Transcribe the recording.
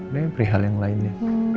ya beri hal yang lainnya